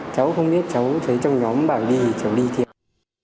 cháu không biết cháu thấy trong nhóm bảo đi thì cháu đi thiệt